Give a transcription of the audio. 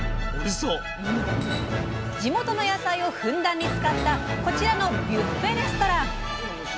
地元の野菜をふんだんに使ったこちらのビュッフェレストラン。